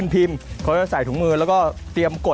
ส่วนผสมจะไม่เข้ากันถือว่าใช้ไม่ได้นะครับ